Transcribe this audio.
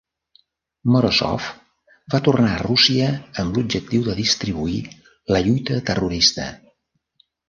Morozov va tornar a Rússia amb l'objectiu de distribuir "La lluita terrorista".